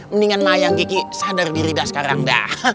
mendingan sama ayang kiki sadar diri dah sekarang dah